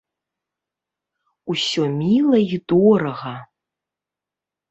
Усё міла й дорага.